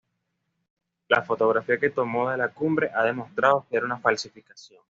La fotografía que tomó de la cumbre ha demostrado ser una falsificación.